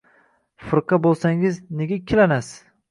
— Firqa bo‘lsangiz, nega ikkilanasiz?